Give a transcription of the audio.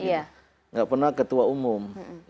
tidak pernah ketua umum